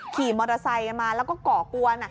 ขี่มอเตอร์ไซค์มาแล้วก็ก่อกวน